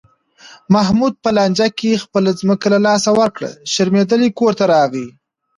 محمود په لانجه کې خپله ځمکه له لاسه ورکړه، شرمېدلی کورته راغی.